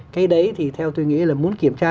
cái đấy thì theo tôi nghĩ là muốn kiểm tra